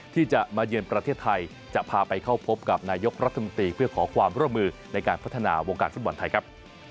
ที่จะมาเยือนประเทศไทยจะพาไปเข้าพบกับนายกรัฐมนตรีเพื่อขอความร่วมมือในการพัฒนาวงการฟุตบอลไทยครับ